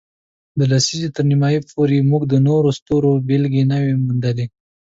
د لسیزې تر نیمایي پورې، موږ د نورو ستورو بېلګې نه وې موندلې.